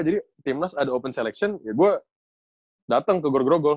jadi timnas ada open selection ya gue dateng ke gro gro gro